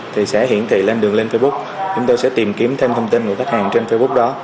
thì sẽ hiển thị lên đường lên facebook chúng tôi sẽ tìm kiếm thêm thông tin của khách hàng trên facebook đó